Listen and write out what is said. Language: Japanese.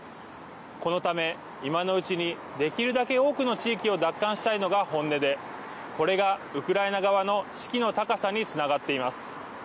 このため、今のうちにできるだけ多くの地域を奪還したいのが本音でこれがウクライナ側の士気の高さにつながっています。